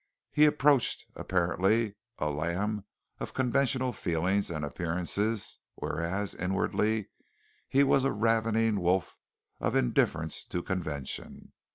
He approached, apparently a lamb of conventional feelings and appearances; whereas, inwardly, he was a ravening wolf of indifference to convention.